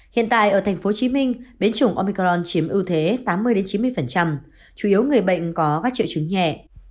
hiện tại ở tp hcm biến chủng omicron chiếm ưu thế tám mươi chín mươi chủ yếu người bệnh có các triệu chứng nhẹ